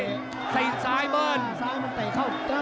มันจะซ้ายผ่านตลอด